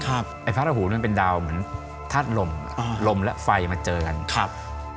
ไอ้พระราหูมันเป็นดาวเหมือนธาตุลมอ่าลมและไฟมาเจอกันครับ